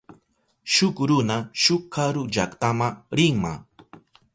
Shuk runa shuk karu llaktama rinma.